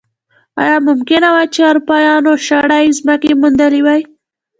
ایا ممکنه وه چې اروپایانو شاړې ځمکې موندلی وای.